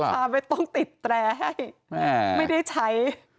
เขาลดราคาไม่ต้องติดแรให้ไม่ได้ใช้